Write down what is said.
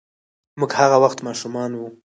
موږ هغه وخت ماشومان وو.